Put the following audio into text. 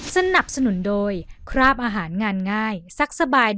สนับสนุนโดยคราบอาหารงานง่ายซักสบาย